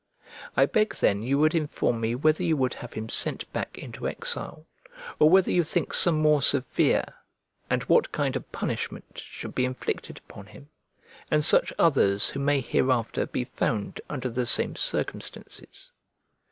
I beg then you would inform me whether you would have him sent back into exile or whether you think some more severe and what kind of punishment should be inflicted upon him, and such others who may hereafter be found under the same circumstances.